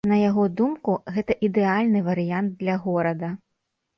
На яго думку, гэта ідэальны варыянт для горада.